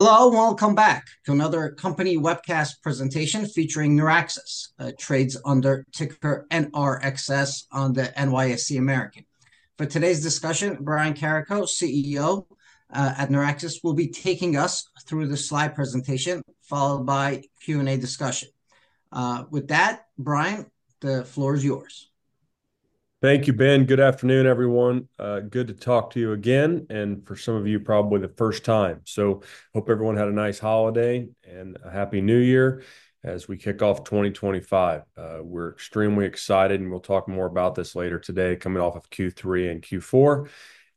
Hello, and welcome back to another company webcast presentation featuring Neuraxis, that trades under ticker NRXS on the NYSE American. For today's discussion, Brian Carrico, CEO at Neuraxis, will be taking us through the slide presentation, followed by Q&A discussion. With that, Brian, the floor is yours. Thank you, Ben. Good afternoon, everyone. Good to talk to you again, and for some of you, probably the first time. So hope everyone had a nice holiday and a Happy New Year as we kick off 2025. We're extremely excited, and we'll talk more about this later today, coming off of Q3 and Q4.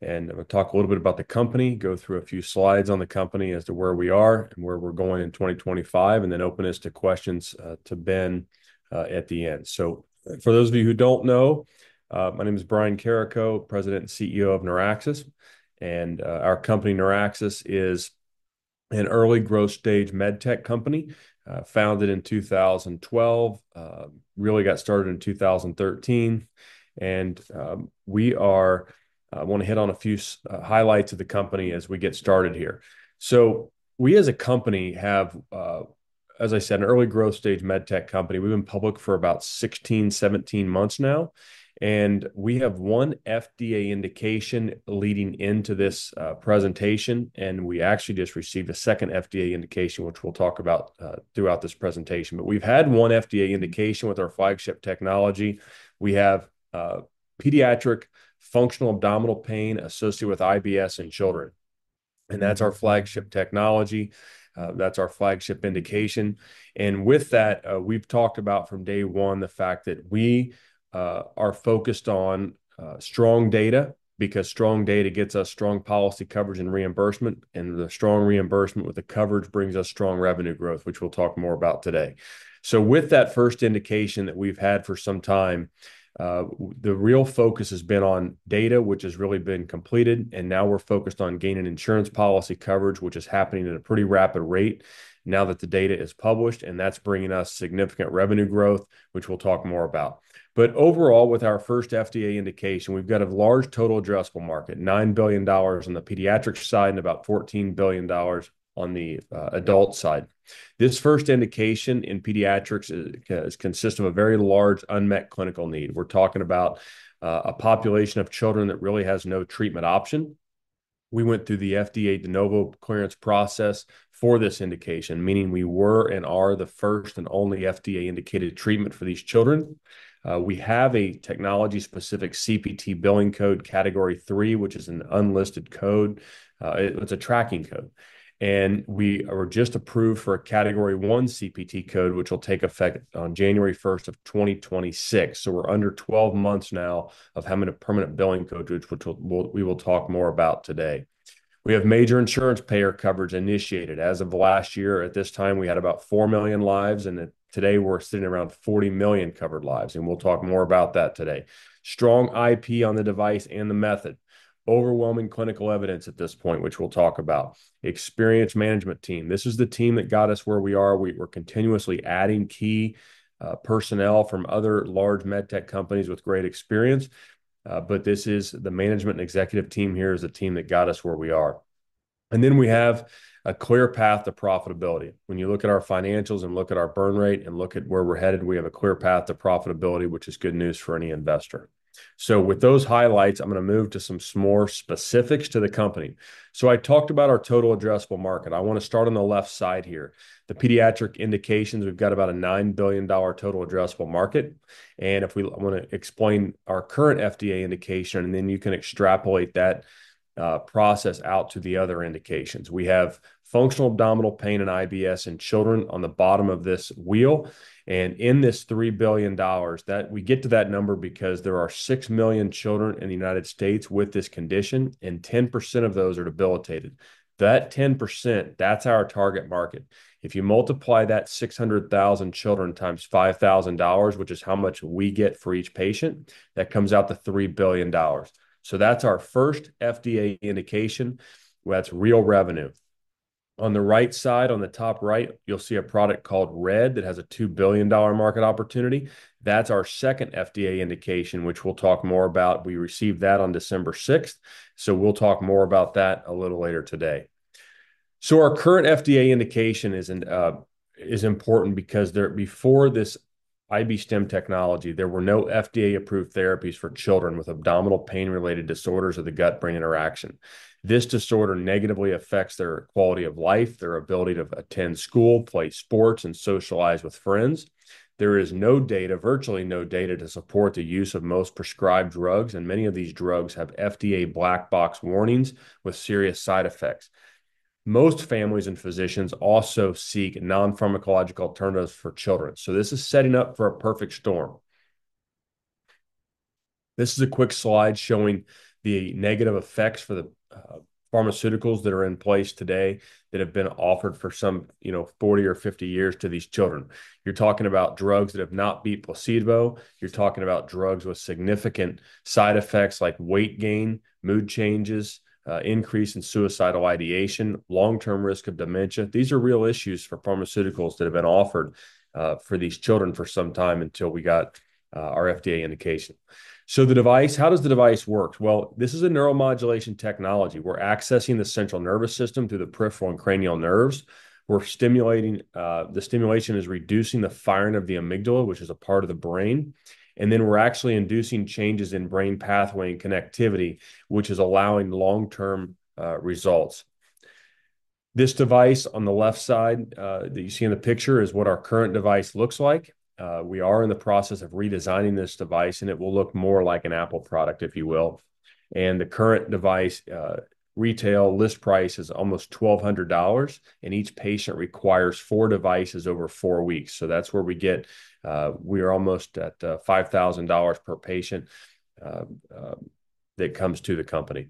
And I'm going to talk a little bit about the company, go through a few slides on the company as to where we are and where we're going in 2025, and then open us to questions to Ben at the end. So for those of you who don't know, my name is Brian Carrico, President and CEO of Neuraxis. And our company, Neuraxis, is an early growth stage med tech company founded in 2012, really got started in 2013. We want to hit on a few highlights of the company as we get started here. We, as a company, have, as I said, an early growth stage med tech company. We've been public for about 16, 17 months now. We have one FDA indication leading into this presentation. We actually just received a second FDA indication, which we'll talk about throughout this presentation. We've had one FDA indication with our flagship technology. We have pediatric functional abdominal pain associated with IBS in children. That's our flagship technology. That's our flagship indication. With that, we've talked about from day one the fact that we are focused on strong data because strong data gets us strong policy coverage and reimbursement. The strong reimbursement with the coverage brings us strong revenue growth, which we'll talk more about today. So with that first indication that we've had for some time, the real focus has been on data, which has really been completed. And now we're focused on gaining insurance policy coverage, which is happening at a pretty rapid rate now that the data is published. And that's bringing us significant revenue growth, which we'll talk more about. But overall, with our first FDA indication, we've got a large total addressable market, $9 billion on the pediatrics side and about $14 billion on the adult side. This first indication in pediatrics consists of a very large unmet clinical need. We're talking about a population of children that really has no treatment option. We went through the FDA de novo clearance process for this indication, meaning we were and are the first and only FDA-indicated treatment for these children. We have a technology-specific CPT billing code, category three, which is an unlisted code. It's a tracking code. And we were just approved for a category one CPT code, which will take effect on January 1st of 2026. So we're under 12 months now of having a permanent billing code, which we will talk more about today. We have major insurance payer coverage initiated. As of last year, at this time, we had about 4 million lives. And today, we're sitting around 40 million covered lives. And we'll talk more about that today. Strong IP on the device and the method. Overwhelming clinical evidence at this point, which we'll talk about. Experienced management team. This is the team that got us where we are. We were continuously adding key personnel from other large med tech companies with great experience. But this is the management and executive team. Here is the team that got us where we are. Then we have a clear path to profitability. When you look at our financials and look at our burn rate and look at where we're headed, we have a clear path to profitability, which is good news for any investor. With those highlights, I'm going to move to some more specifics to the company. I talked about our total addressable market. I want to start on the left side here. The pediatric indications, we've got about a $9 billion total addressable market. I want to explain our current FDA indication, and then you can extrapolate that process out to the other indications. We have functional abdominal pain and IBS in children on the bottom of this wheel. And in this $3 billion, we get to that number because there are six million children in the United States with this condition, and 10% of those are debilitated. That 10%, that's our target market. If you multiply that 600,000 children times $5,000, which is how much we get for each patient, that comes out to $3 billion. So that's our first FDA indication. That's real revenue. On the right side, on the top right, you'll see a product called RED that has a $2 billion market opportunity. That's our second FDA indication, which we'll talk more about. We received that on December 6th. So we'll talk more about that a little later today. So our current FDA indication is important because before this IB-Stim technology, there were no FDA-approved therapies for children with abdominal pain-related disorders of the gut-brain interaction. This disorder negatively affects their quality of life, their ability to attend school, play sports, and socialize with friends. There is no data, virtually no data, to support the use of most prescribed drugs, and many of these drugs have FDA black box warnings with serious side effects. Most families and physicians also seek non-pharmacological alternatives for children, so this is setting up for a perfect storm. This is a quick slide showing the negative effects for the pharmaceuticals that are in place today that have been offered for some 40 or 50 years to these children. You're talking about drugs that have not beat placebo. You're talking about drugs with significant side effects like weight gain, mood changes, increase in suicidal ideation, long-term risk of dementia. These are real issues for pharmaceuticals that have been offered for these children for some time until we got our FDA indication. So the device, how does the device work? Well, this is a neuromodulation technology. We're accessing the central nervous system through the peripheral and cranial nerves. The stimulation is reducing the firing of the amygdala, which is a part of the brain. And then we're actually inducing changes in brain pathway and connectivity, which is allowing long-term results. This device on the left side that you see in the picture is what our current device looks like. We are in the process of redesigning this device, and it will look more like an Apple product, if you will. And the current device retail list price is almost $1,200. And each patient requires four devices over four weeks. So that's where we get, we are almost at $5,000 per patient that comes to the company.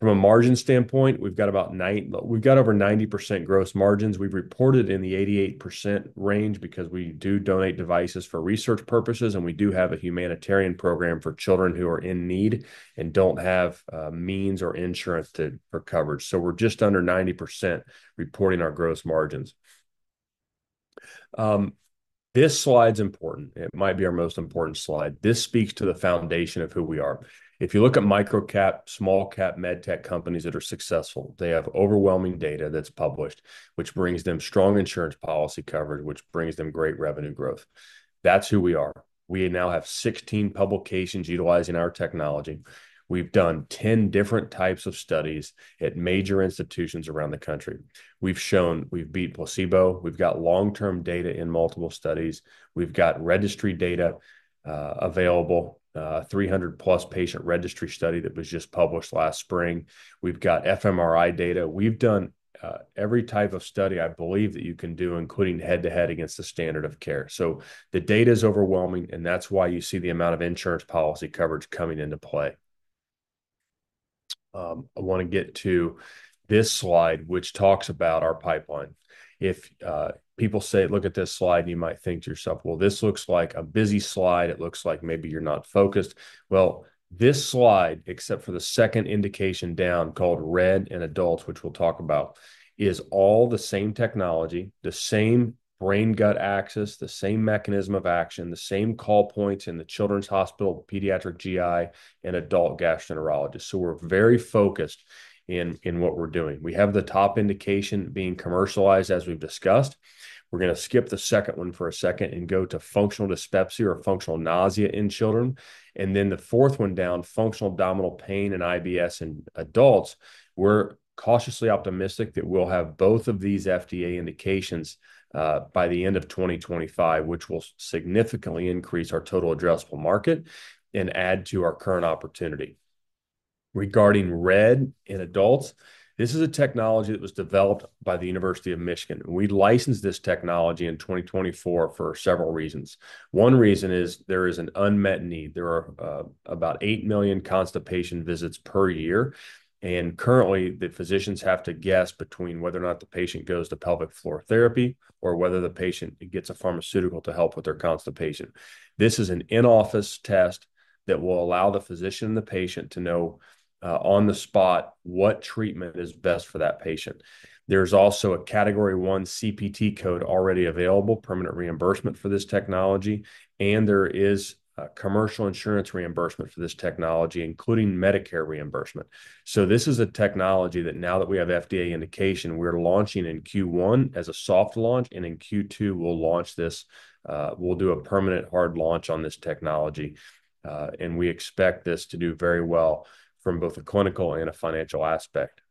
From a margin standpoint, we've got about 90% gross margins. We've reported in the 88% range because we do donate devices for research purposes, and we do have a humanitarian program for children who are in need and don't have means or insurance for coverage, so we're just under 90% reporting our gross margins. This slide's important. It might be our most important slide. This speaks to the foundation of who we are. If you look at micro-cap, small-cap med tech companies that are successful, they have overwhelming data that's published, which brings them strong insurance policy coverage, which brings them great revenue growth. That's who we are. We now have 16 publications utilizing our technology. We've done 10 different types of studies at major institutions around the country. We've shown we've beat placebo. We've got long-term data in multiple studies. We've got registry data available, 300-plus patient registry study that was just published last spring. We've got fMRI data. We've done every type of study, I believe, that you can do, including head-to-head against the standard of care. So the data is overwhelming, and that's why you see the amount of insurance policy coverage coming into play. I want to get to this slide, which talks about our pipeline. If people say, "Look at this slide," you might think to yourself, "Well, this looks like a busy slide. It looks like maybe you're not focused." Well, this slide, except for the second indication down called RED and adults, which we'll talk about, is all the same technology, the same brain-gut axis, the same mechanism of action, the same call points in the children's hospital, pediatric GI, and adult gastroenterologist. So we're very focused in what we're doing. We have the top indication being commercialized, as we've discussed. We're going to skip the second one for a second and go to functional dyspepsia or functional nausea in children. Then the fourth one down, functional abdominal pain and IBS in adults, we're cautiously optimistic that we'll have both of these FDA indications by the end of 2025, which will significantly increase our total addressable market and add to our current opportunity. Regarding RED in adults, this is a technology that was developed by the University of Michigan. We licensed this technology in 2024 for several reasons. One reason is there is an unmet need. There are about eight million constipation visits per year. Currently, the physicians have to guess between whether or not the patient goes to pelvic floor therapy or whether the patient gets a pharmaceutical to help with their constipation. This is an in-office test that will allow the physician and the patient to know on the spot what treatment is best for that patient. There's also a category one CPT code already available, permanent reimbursement for this technology. And there is commercial insurance reimbursement for this technology, including Medicare reimbursement. So this is a technology that now that we have FDA indication, we're launching in Q1 as a soft launch. And in Q2, we'll do a permanent hard launch on this technology. And we expect this to do very well from both a clinical and a financial aspect.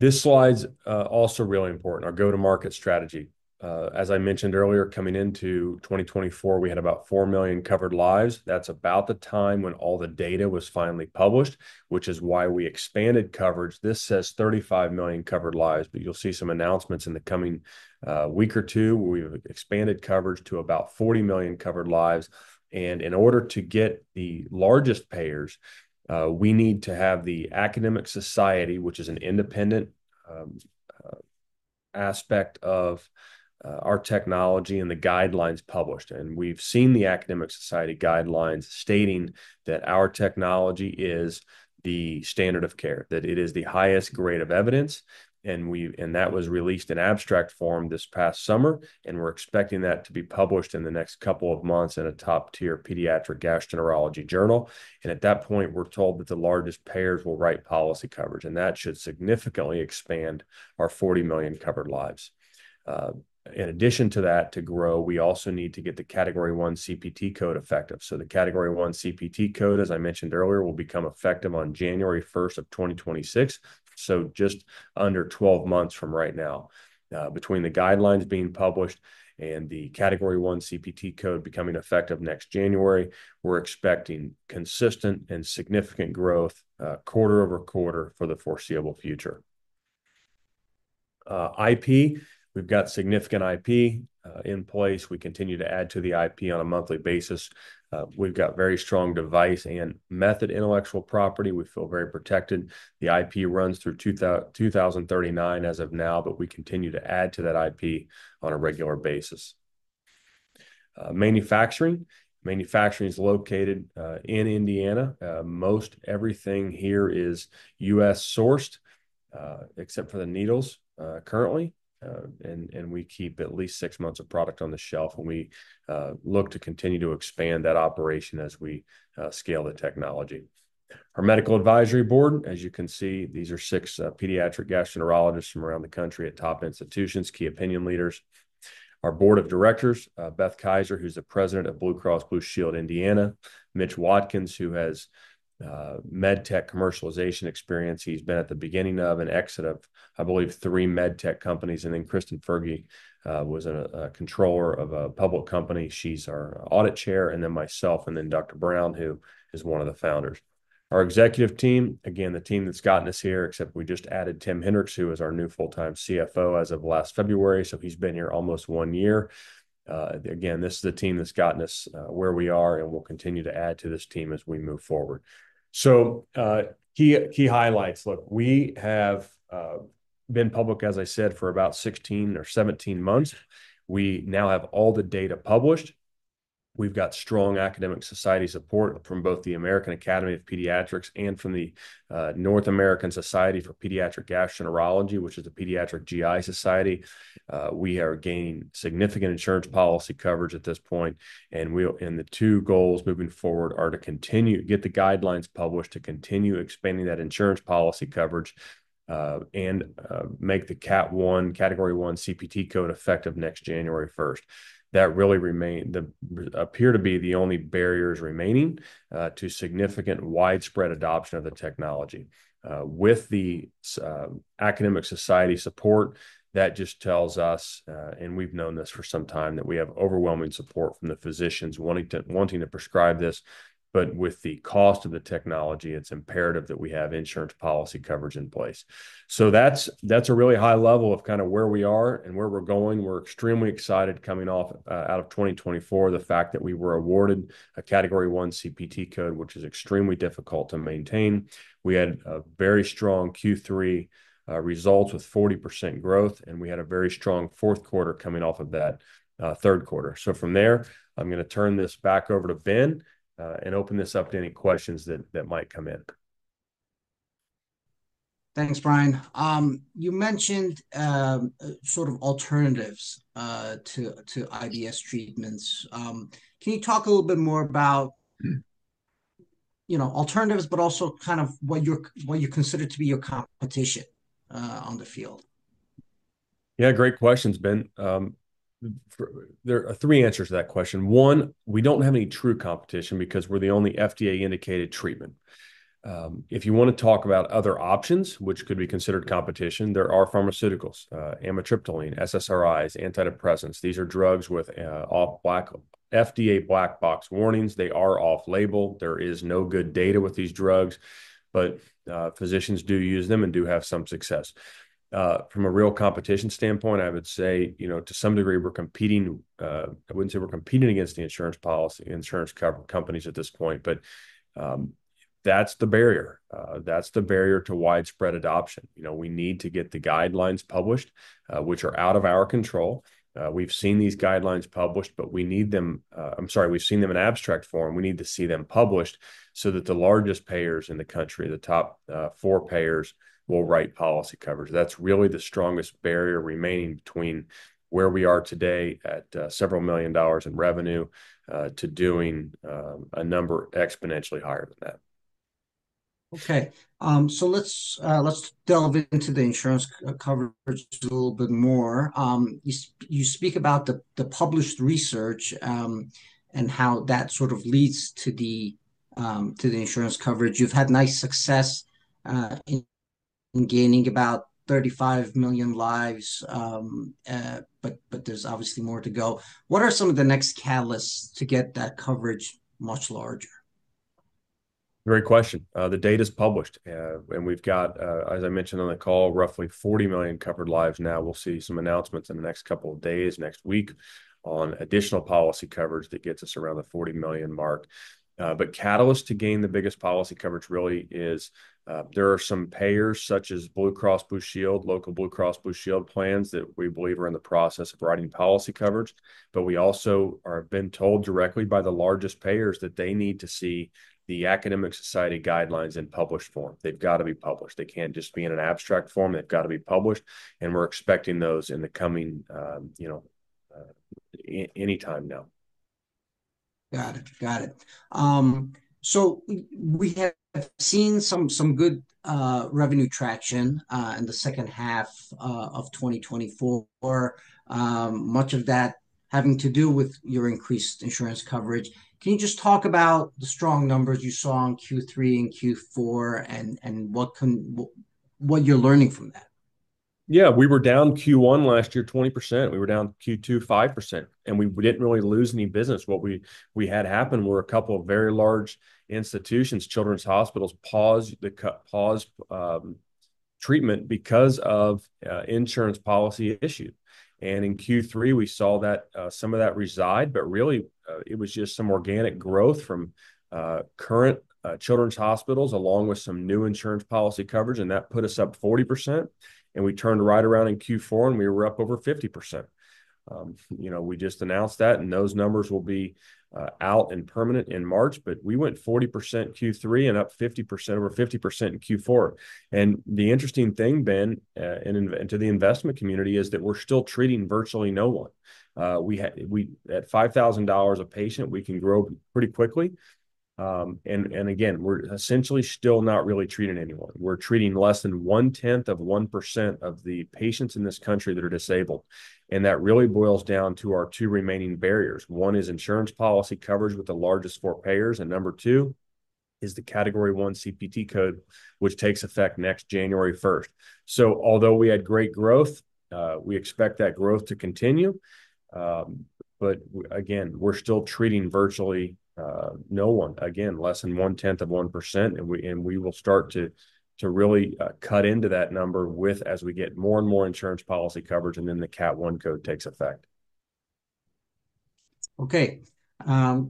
This slide's also really important, our go-to-market strategy. As I mentioned earlier, coming into 2024, we had about four million covered lives. That's about the time when all the data was finally published, which is why we expanded coverage. This says 35 million covered lives. You'll see some announcements in the coming week or two where we've expanded coverage to about 40 million covered lives. In order to get the largest payers, we need to have the academic society, which is an independent aspect of our technology and the guidelines published. We've seen the academic society guidelines stating that our technology is the standard of care, that it is the highest grade of evidence. That was released in abstract form this past summer. We're expecting that to be published in the next couple of months in a top-tier pediatric gastroenterology journal. At that point, we're told that the largest payers will write policy coverage. That should significantly expand our 40 million covered lives. In addition to that, to grow, we also need to get the Category I CPT code effective. The category one CPT code, as I mentioned earlier, will become effective on January 1st of 2026. Just under 12 months from right now. Between the guidelines being published and the category one CPT code becoming effective next January, we're expecting consistent and significant growth quarter over quarter for the foreseeable future. IP, we've got significant IP in place. We continue to add to the IP on a monthly basis. We've got very strong device and method intellectual property. We feel very protected. The IP runs through 2039 as of now, but we continue to add to that IP on a regular basis. Manufacturing. Manufacturing is located in Indiana. Most everything here is U.S. sourced, except for the needles currently. And we keep at least six months of product on the shelf. And we look to continue to expand that operation as we scale the technology. Our medical advisory board, as you can see, these are six pediatric gastroenterologists from around the country at top institutions, key opinion leaders. Our board of directors, Beth Kayser, who's the President of Blue Cross Blue Shield of Indiana, Mitch Watkins, who has med tech commercialization experience. He's been at the beginning of and exit of, I believe, three med tech companies. And then Kristin Ferge was a controller of a public company. She's our Audit Chair, and then myself, and then Dr. Brown, who is one of the founders. Our executive team, again, the team that's gotten us here, except we just added Tim Henrichs, who is our new full-time CFO as of last February. So he's been here almost one year. Again, this is the team that's gotten us where we are, and we'll continue to add to this team as we move forward. He highlights, "Look, we have been public, as I said, for about 16 or 17 months. We now have all the data published. We've got strong academic society support from both the American Academy of Pediatrics and from the North American Society for Pediatric Gastroenterology, which is the pediatric GI society. We are gaining significant insurance policy coverage at this point. And the two goals moving forward are to get the guidelines published to continue expanding that insurance policy coverage and make the Category I CPT code effective next January 1st." That really appears to be the only barriers remaining to significant widespread adoption of the technology. With the academic society support, that just tells us, and we've known this for some time, that we have overwhelming support from the physicians wanting to prescribe this. But with the cost of the technology, it's imperative that we have insurance policy coverage in place. So that's a really high level of kind of where we are and where we're going. We're extremely excited coming out of 2024, the fact that we were awarded a Category I CPT code, which is extremely difficult to maintain. We had very strong Q3 results with 40% growth, and we had a very strong fourth quarter coming off of that third quarter. So from there, I'm going to turn this back over to Ben and open this up to any questions that might come in. Thanks, Brian. You mentioned sort of alternatives to IBS treatments. Can you talk a little bit more about alternatives, but also kind of what you consider to be your competition in the field? Yeah, great questions, Ben. There are three answers to that question. One, we don't have any true competition because we're the only FDA-indicated treatment. If you want to talk about other options, which could be considered competition, there are pharmaceuticals, amitriptyline, SSRIs, antidepressants. These are drugs with FDA black box warnings. They are off-label. There is no good data with these drugs, but physicians do use them and do have some success. From a real competition standpoint, I would say, to some degree, we're competing. I wouldn't say we're competing against the insurance companies at this point, but that's the barrier. That's the barrier to widespread adoption. We need to get the guidelines published, which are out of our control. We've seen these guidelines published, but we need them. I'm sorry, we've seen them in abstract form. We need to see them published so that the largest payers in the country, the top four payers, will write policy coverage. That's really the strongest barrier remaining between where we are today at several million dollars in revenue to doing a number exponentially higher than that. Okay. So let's delve into the insurance coverage a little bit more. You speak about the published research and how that sort of leads to the insurance coverage. You've had nice success in gaining about 35 million lives, but there's obviously more to go. What are some of the next catalysts to get that coverage much larger? Great question. The data's published. And we've got, as I mentioned on the call, roughly 40 million covered lives now. We'll see some announcements in the next couple of days, next week, on additional policy coverage that gets us around the 40 million mark. But catalysts to gain the biggest policy coverage really is there are some payers such as Blue Cross Blue Shield, local Blue Cross Blue Shield plans that we believe are in the process of writing policy coverage. But we also have been told directly by the largest payers that they need to see the academic society guidelines in published form. They've got to be published. They can't just be in an abstract form. They've got to be published. And we're expecting those in the coming any time now. Got it. Got it. So we have seen some good revenue traction in the second half of 2024, much of that having to do with your increased insurance coverage. Can you just talk about the strong numbers you saw in Q3 and Q4 and what you're learning from that? Yeah. We were down Q1 last year 20%. We were down Q2 5%. We didn't really lose any business. What had happened were a couple of very large institutions, children's hospitals, paused treatment because of insurance policy issues. In Q3, we saw that some of that subside, but really, it was just some organic growth from current children's hospitals along with some new insurance policy coverage. That put us up 40%. We turned right around in Q4, and we were up over 50%. We just announced that, and those numbers will be out and permanent in March. We went 40% in Q3 and up 50%, over 50% in Q4. The interesting thing, Ben, and to the investment community is that we're still treating virtually no one. At $5,000 a patient, we can grow pretty quickly. Again, we're essentially still not really treating anyone. We're treating less than one-tenth of 1% of the patients in this country that are disabled, and that really boils down to our two remaining barriers. One is insurance policy coverage with the largest four payers, and number two is the category one CPT code, which takes effect next January 1st. So although we had great growth, we expect that growth to continue, but again, we're still treating virtually no one. Again, less than one-tenth of 1%, and we will start to really cut into that number as we get more and more insurance policy coverage, and then the Cat 1 code takes effect. Okay.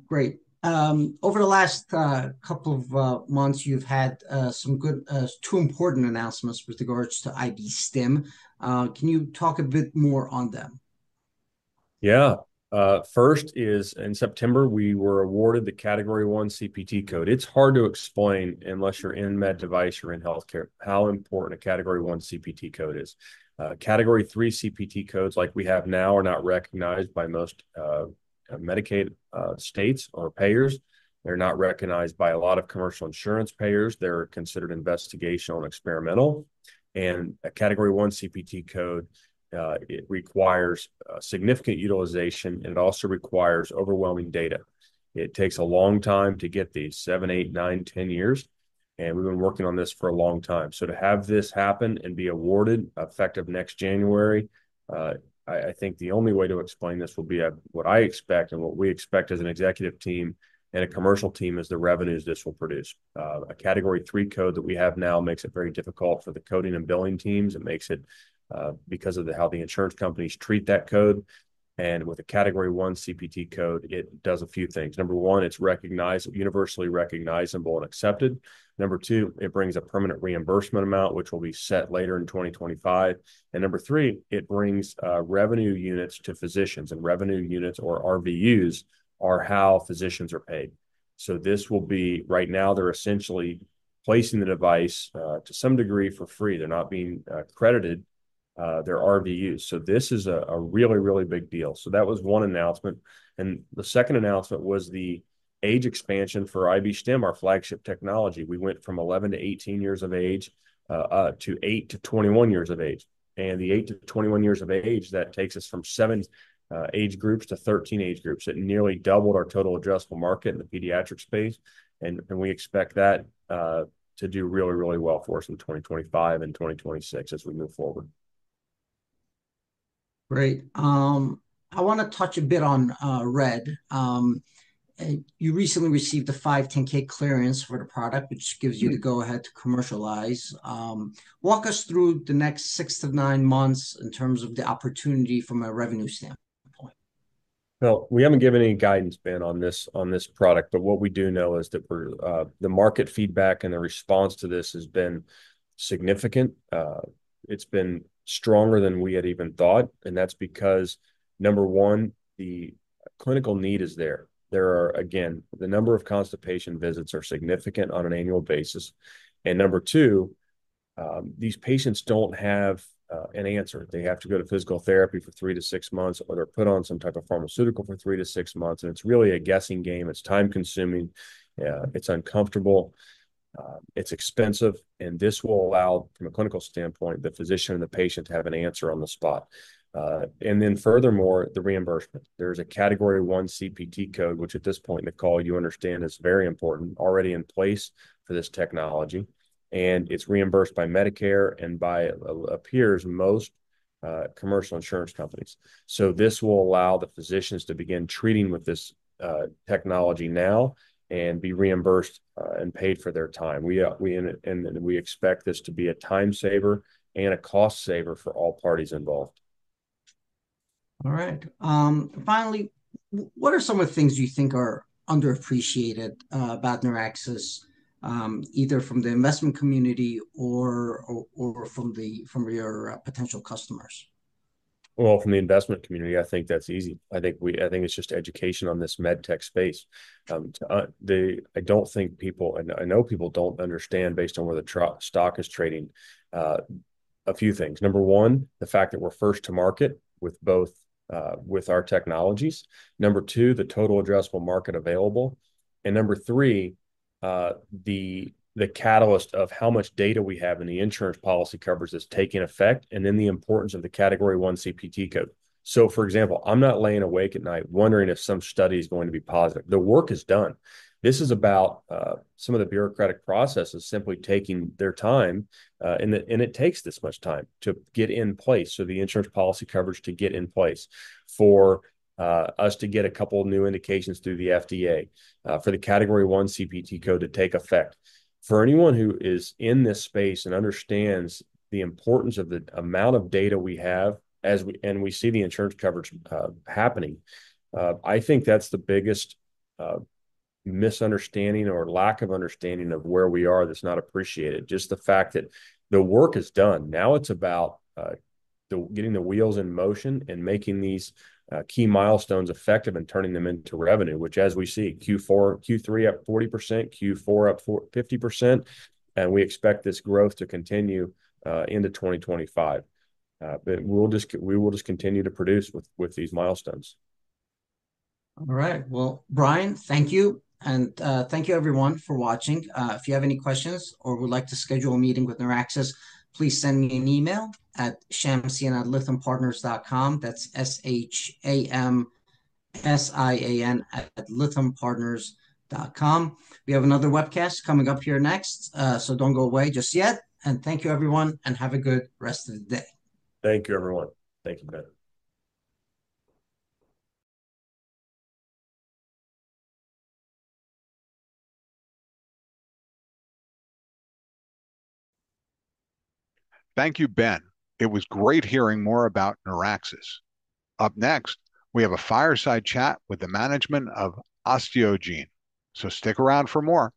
Great. Over the last couple of months, you've had two important announcements with regards to IB-Stim. Can you talk a bit more on them? Yeah. First is in September, we were awarded the category one CPT code. It's hard to explain unless you're in med device or in healthcare how important a category one CPT code is. Category three CPT codes like we have now are not recognized by most Medicaid states or payers. They're not recognized by a lot of commercial insurance payers. They're considered investigational and experimental, and a category one CPT code, it requires significant utilization, and it also requires overwhelming data. It takes a long time to get these seven, eight, nine, 10 years, and we've been working on this for a long time, so to have this happen and be awarded effective next January, I think the only way to explain this will be what I expect and what we expect as an executive team and a commercial team is the revenues this will produce. A Category III code that we have now makes it very difficult for the coding and billing teams. It makes it because of how the insurance companies treat that code, and with a Category I CPT code, it does a few things. Number one, it's universally recognizable and accepted. Number two, it brings a permanent reimbursement amount, which will be set later in 2025, and number three, it brings revenue units to physicians, and revenue units or RVUs are how physicians are paid, so this will be right now, they're essentially placing the device to some degree for free. They're not being credited their RVUs, so this is a really, really big deal, so that was one announcement, and the second announcement was the age expansion for IB-Stim, our flagship technology. We went from 11 to 18 years of age to 8 to 21 years of age. The 8 to 21 years of age, that takes us from 7 age groups to 13 age groups. It nearly doubled our total addressable market in the pediatric space. We expect that to do really, really well for us in 2025 and 2026 as we move forward. Great. I want to touch a bit on RED. You recently received the 510(k) clearance for the product, which gives you the go-ahead to commercialize. Walk us through the next six to nine months in terms of the opportunity from a revenue standpoint. We haven't given any guidance, Ben, on this product. But what we do know is that the market feedback and the response to this has been significant. It's been stronger than we had even thought. That's because, number one, the clinical need is there. Again, the number of constipation visits are significant on an annual basis. And number two, these patients don't have an answer. They have to go to physical therapy for three to six months or they're put on some type of pharmaceutical for three to six months. And it's really a guessing game. It's time-consuming. It's uncomfortable. It's expensive. And this will allow, from a clinical standpoint, the physician and the patient to have an answer on the spot. And then furthermore, the reimbursement. There is a Category I CPT code, which at this point in the call, you understand is very important, already in place for this technology. And it's reimbursed by Medicare and by, it appears, most commercial insurance companies. So this will allow the physicians to begin treating with this technology now and be reimbursed and paid for their time. And we expect this to be a time saver and a cost saver for all parties involved. All right. Finally, what are some of the things you think are underappreciated about Neuraxis, either from the investment community or from your potential customers? From the investment community, I think that's easy. I think it's just education on this med tech space. I don't think people. I know people don't understand based on where the stock is trading. A few things. Number one, the fact that we're first to market with our technologies. Number two, the total addressable market available. And number three, the catalyst of how much data we have in the insurance policy covers is taking effect, and then the importance of the Category I CPT code. So for example, I'm not laying awake at night wondering if some study is going to be positive. The work is done. This is about some of the bureaucratic processes simply taking their time. And it takes this much time to get in place for the insurance policy coverage to get in place for us to get a couple of new indications through the FDA for the Category I CPT code to take effect. For anyone who is in this space and understands the importance of the amount of data we have and we see the insurance coverage happening, I think that's the biggest misunderstanding or lack of understanding of where we are that's not appreciated. Just the fact that the work is done. Now it's about getting the wheels in motion and making these key milestones effective and turning them into revenue, which, as we see, Q3 up 40%, Q4 up 50%. And we expect this growth to continue into 2025. But we will just continue to produce with these milestones. All right. Well, Brian, thank you. And thank you, everyone, for watching. If you have any questions or would like to schedule a meeting with Neuraxis, please send me an email at shamsian@lythampartners.com. That's shamsian@lythampartners.com. We have another webcast coming up here next, so don't go away just yet. Thank you, everyone, and have a good rest of the day. Thank you, everyone. Thank you, Ben. Thank you, Ben. It was great hearing more about Neuraxis. Up next, we have a fireside chat with the management of OsteoGene. Stick around for more.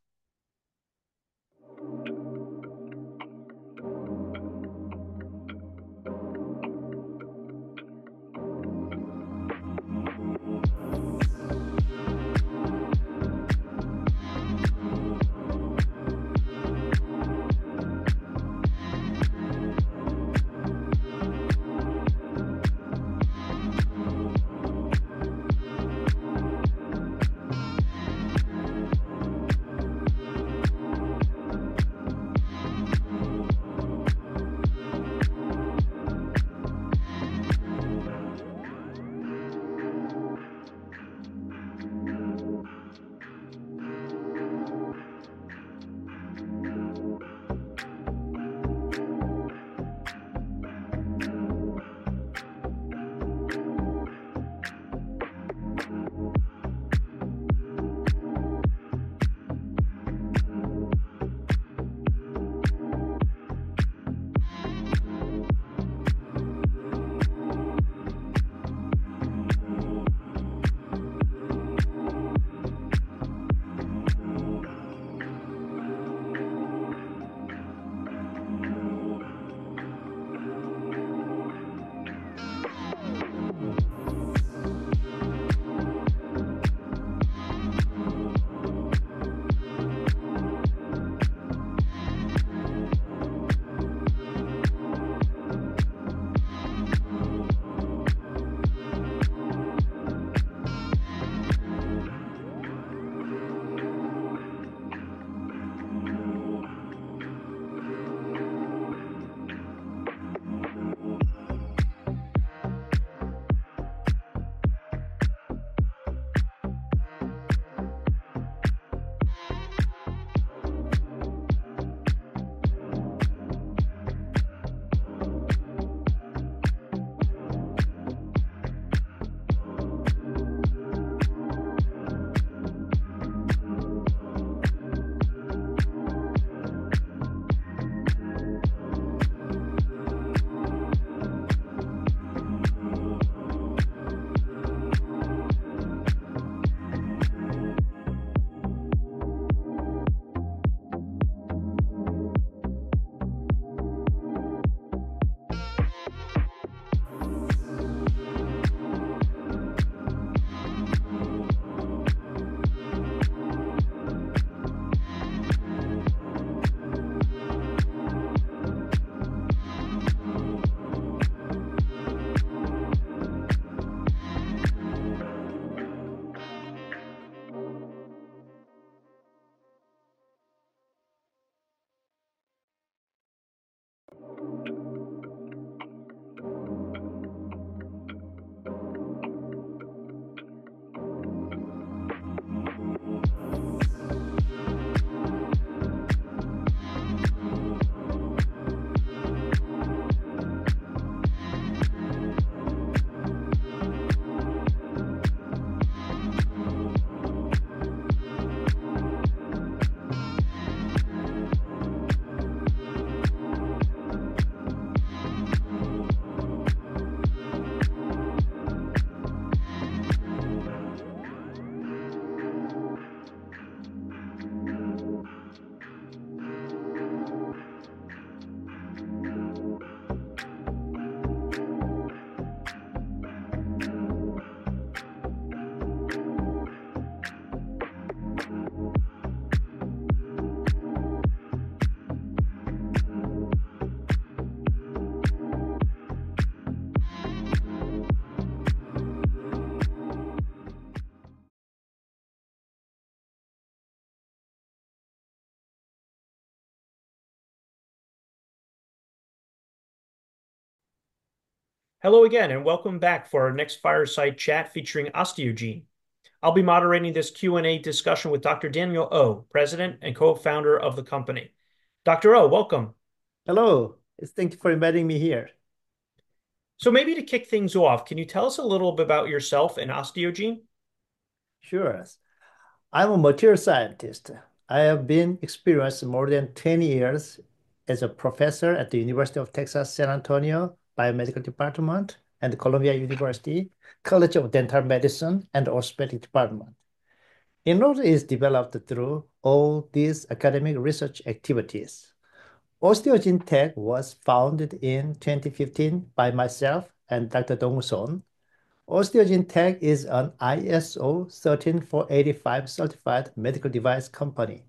Hello again, and welcome back for our next fireside chat featuring OsteoGene. I'll be moderating this Q&A discussion with Dr. Daniel Oh, President and Co-founder of the company. Dr. Oh, welcome. Hello. Thank you for inviting me here. So maybe to kick things off, can you tell us a little bit about yourself and OsteoGene? Sure. I'm a material scientist. I have been experienced more than 10 years as a professor at the University of Texas at San Antonio, Biomedical Department, and Columbia University College of Dental Medicine and Orthopedic Department. It is developed through all these academic research activities. OsteoGene Tech was founded in 2015 by myself and Dr. Dong-Woo Sohn. OsteoGene Tech is an ISO 13485 certified medical device company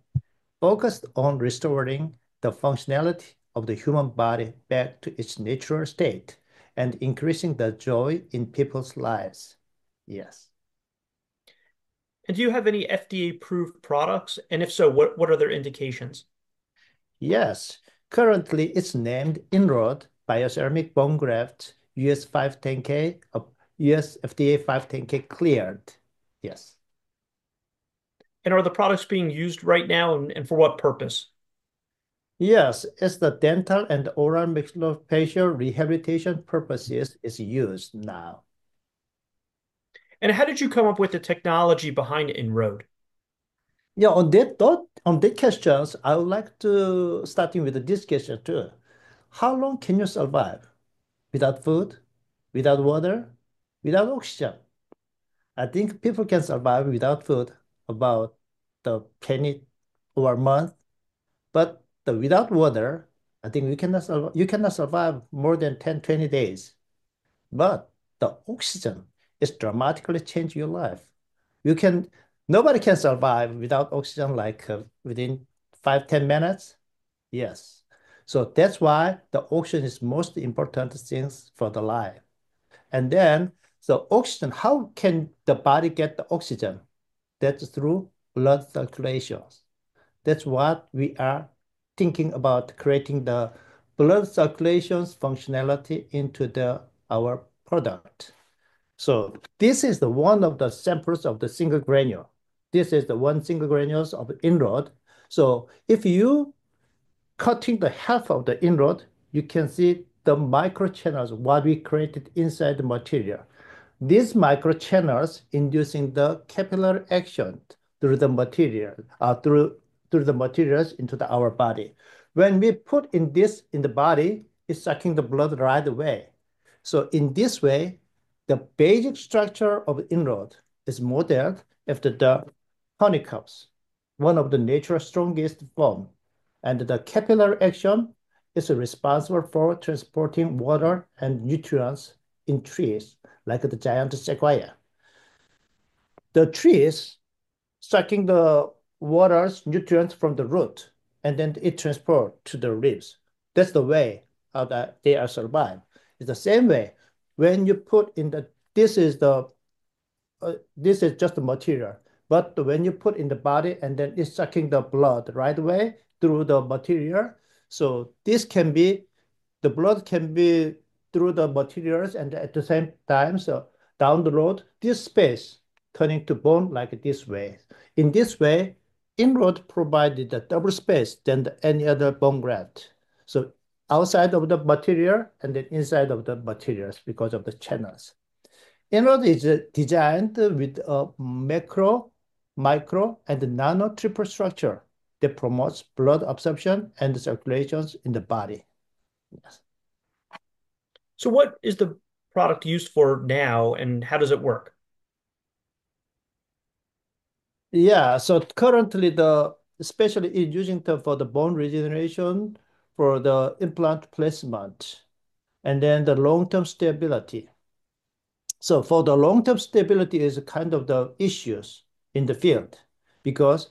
focused on restoring the functionality of the human body back to its natural state and increasing the joy in people's lives. Yes. And do you have any FDA-approved products? And if so, what are their indications? Yes. Currently, it's named InRoad Bioceramic Bone Graft US FDA 510(k) Clearance. Yes. And are the products being used right now, and for what purpose? Yes. It's the dental and oral maxillofacial rehabilitation purposes it's used now. And how did you come up with the technology behind InRoad? Yeah. On that question, I would like to start with this question too. How long can you survive without food, without water, without oxygen? I think people can survive without food about a week or a month. But without water, I think you cannot survive more than 10-20 days. But the oxygen is dramatically changing your life. Nobody can survive without oxygen like within 5-10 minutes. Yes. So that's why the oxygen is the most important thing for the life. And then the oxygen, how can the body get the oxygen? That's through blood circulations. That's what we are thinking about creating the blood circulation functionality into our product. So this is one of the samples of the single granule. This is the one single granule of InRoad. So if you cut the InRoad in half, you can see the microchannels, what we created inside the material. These microchannels are inducing the capillary action through the materials into our body. When we put this in the body, it's sucking the blood right away so in this way, the basic structure of InRoad is modeled after the honeycombs, one of nature's strongest forms, and the capillary action is responsible for transporting water and nutrients in trees like the giant sequoia. The trees suck the water's nutrients from the root, and then it transports to the leaves. That's the way they survive. It's the same way when you put in the, this is just the material but when you put it in the body, and then it's sucking the blood right away through the material so this can be, the blood can be through the materials, and at the same time so down the road, this space turning to bone like this way. In this way, InRoad provided the double space than any other bone graft. So outside of the material and then inside of the materials because of the channels. InRoad is designed with a macro, micro, and nano triple structure that promotes blood absorption and circulations in the body. Yes. So what is the product used for now, and how does it work? Yeah. So currently, especially using it for the bone regeneration, for the implant placement, and then the long-term stability. So for the long-term stability, it's kind of the issues in the field. Because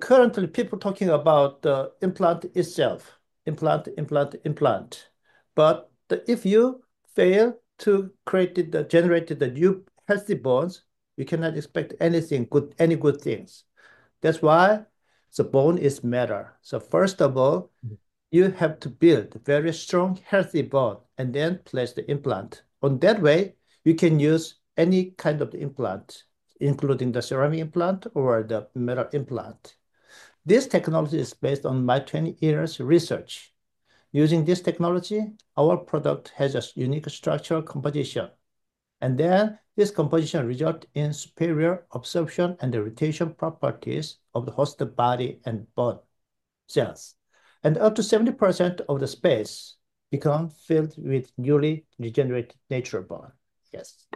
currently, people are talking about the implant itself, implant, implant, implant. But if you fail to create the generated new healthy bones, you cannot expect any good things. That's why the bone is matter. So first of all, you have to build a very strong, healthy bone and then place the implant. In that way, you can use any kind of implant, including the ceramic implant or the metal implant. This technology is based on my 20 years of research. Using this technology, our product has a unique structural composition. And then this composition results in superior absorption and integration properties of the host body and bone cells. And up to 70% of the space becomes filled with newly regenerated natural bone. Yes.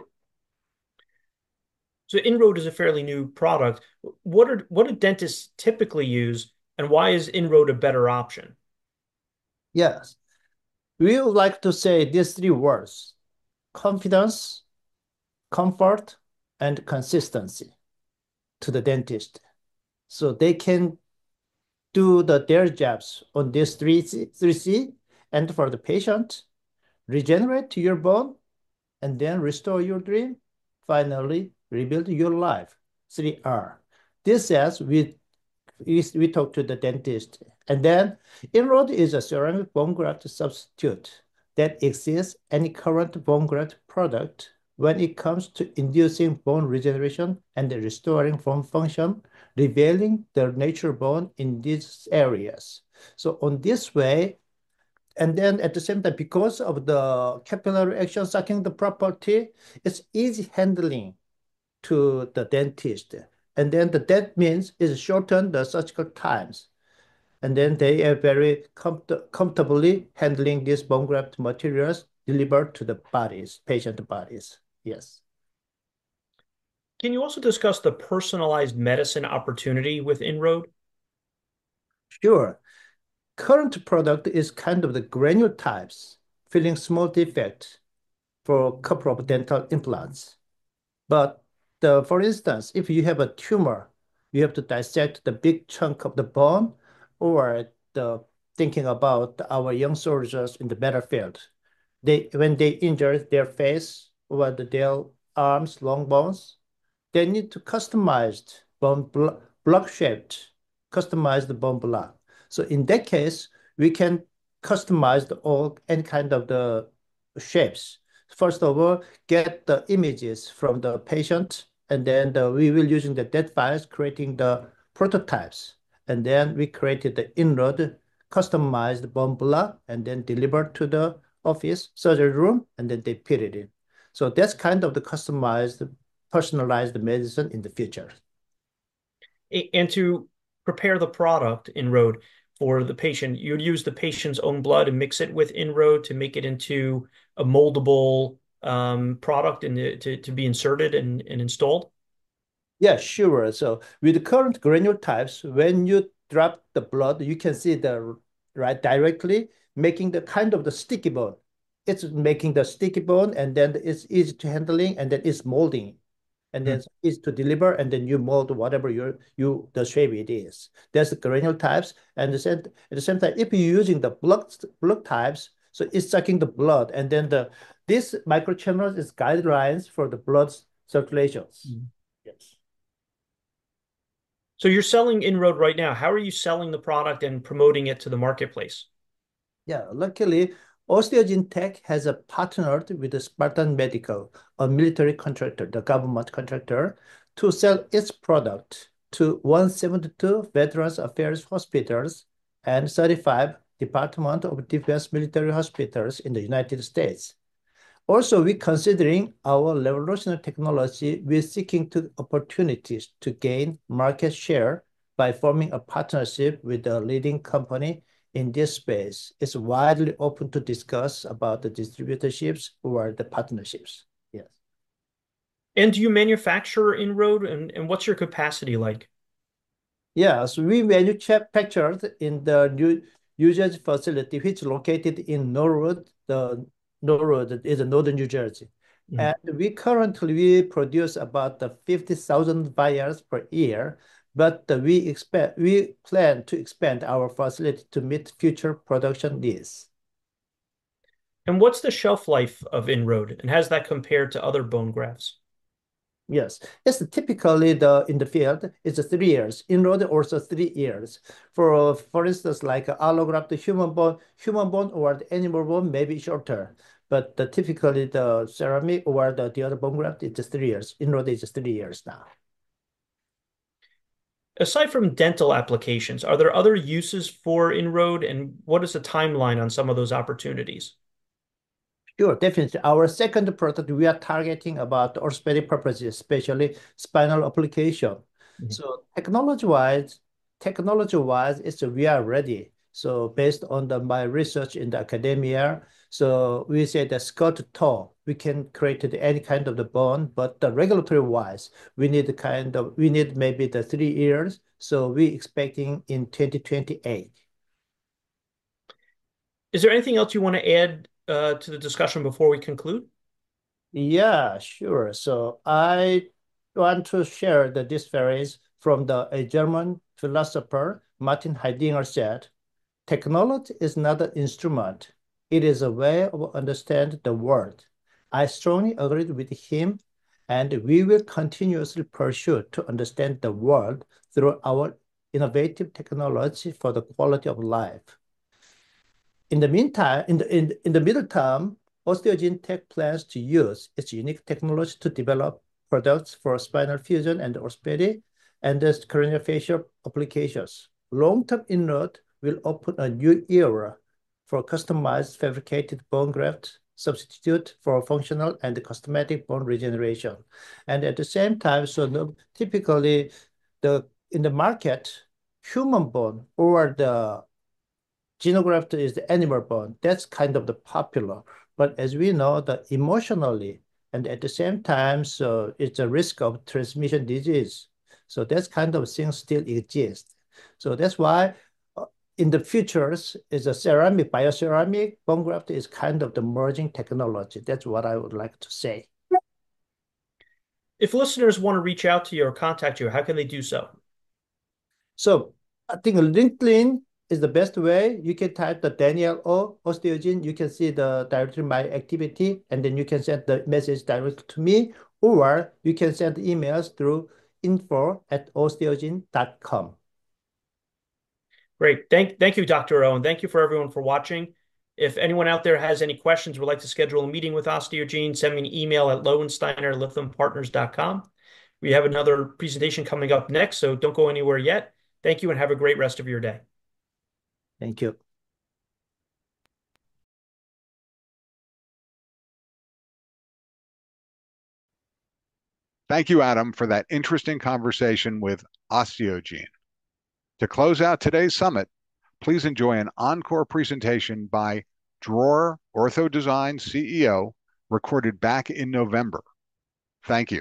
So InRoad is a fairly new product. What do dentists typically use, and why is InRoad a better option? Yes. We would like to say these three words: confidence, comfort, and consistency to the dentist so they can do their jobs on these three C's and for the patient, regenerate your bone, and then restore your dream, finally rebuild your life. Three R's. This is what we say to the dentist. And then InRoad is a ceramic bone graft substitute that exists in any current bone graft product when it comes to inducing bone regeneration and restoring bone function, revealing the natural bone in these areas. So on this way, and then at the same time, because of the capillary action sucking the property, it's easy handling to the dentist. And then that means it shortens the surgical times. And then they are very comfortably handling these bone graft materials delivered to the patient bodies. Yes. Can you also discuss the personalized medicine opportunity with InRoad? Sure. Current product is kind of the granule types filling small defects for a couple of dental implants. But for instance, if you have a tumor, you have to dissect the big chunk of the bone or thinking about our young soldiers in the battlefield, when they injured their face or their arms, long bones, they need to customize bone block shapes, customize the bone block. So in that case, we can customize any kind of the shapes. First of all, get the images from the patient, and then we will use the CAD files, creating the prototypes. And then we created the InRoad customized bone block and then delivered to the operating room, and then they put it in. So that's kind of the customized personalized medicine in the future. And to prepare the product InRoad for the patient, you'd use the patient's own blood and mix it with InRoad to make it into a moldable product to be inserted and installed? Yes, sure. With the current granule types, when you drop the blood, you can see the right directly making the kind of the sticky bone. It's making the sticky bone, and then it's easy to handling, and then it's molding. And then it's easy to deliver, and then you mold whatever the shape it is. That's the granule types. And at the same time, if you're using the block types, so it's sucking the blood. And then these microchannels are guidelines for the blood circulations. Yes. You're selling InRoad right now. How are you selling the product and promoting it to the marketplace? Yeah. Luckily, OsteoGene Tech has partnered with Spartan Medical, a military contractor, the government contractor, to sell its product to 172 Veterans Affairs hospitals and 35 Department of Defense military hospitals in the United States. Also, we're considering our revolutionary technology. We're seeking opportunities to gain market share by forming a partnership with the leading company in this space. It's widely open to discuss about the distributorships or the partnerships. Yes. And do you manufacture InRoad, and what's your capacity like? Yeah. So we manufacture in the New Jersey facility, which is located in Norwood. Norwood is in Northern New Jersey. And we currently produce about 50,000 vials per year. But we plan to expand our facility to meet future production needs. And what's the shelf life of InRoad, and how does that compare to other bone grafts? Yes. It's typically in the field, it's three years. InRoad also three years. For instance, like allograft, the human bone or the animal bone, maybe shorter. But typically, the ceramic or the other bone graft, it's three years. InRoad is three years now. Aside from dental applications, are there other uses for InRoad, and what is the timeline on some of those opportunities? Sure. Definitely. Our second product, we are targeting about orthopedic purposes, especially spinal application. So technology-wise, we are ready. So based on my research in the academia, so we say the skeletal tissue, we can create any kind of the bone. But regulatory-wise, we need kind of maybe the three years. So we're expecting in 2028. Is there anything else you want to add to the discussion before we conclude? Yeah, sure. So I want to share this phrase from the German philosopher Martin Heidegger said, "Technology is not an instrument. It is a way of understanding the world." I strongly agree with him, and we will continuously pursue to understand the world through our innovative technology for the quality of life. In the meantime, in the middle term, OsteoGene Tech plans to use its unique technology to develop products for spinal fusion and orthopedic and craniofacial applications. Long-term, InRoad will open a new era for customized fabricated bone graft substitutes for functional and cosmetic bone regeneration. And at the same time, so typically in the market, human bone or the xenograft is the animal bone. That's kind of the popular. But as we know, emotionally, and at the same time, so it's a risk of transmission disease. So that's kind of things still exist. So that's why in the future, it's a ceramic, bioceramic bone graft is kind of the emerging technology. That's what I would like to say. If listeners want to reach out to you or contact you, how can they do so? So I think LinkedIn is the best way. You can type the Daniel Oh OsteoGene. You can see the directory of my activity, and then you can send the message directly to me, or you can send emails through info@osteogene.com. Great. Thank you, Dr. Oh. Thank you, everyone, for watching. If anyone out there has any questions and would like to schedule a meeting with OsteoGene, send me an email at loewensteiner@lythampartners.com. We have another presentation coming up next, so don't go anywhere yet. Thank you and have a great rest of your day. Thank you. Thank you, Adam, for that interesting conversation with OsteoGene. To close out today's summit, please enjoy an encore presentation by Dror Ortho Design CEO recorded back in November. Thank you.